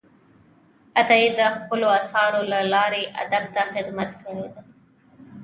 عطايي د خپلو آثارو له لارې ادب ته خدمت کړی دی.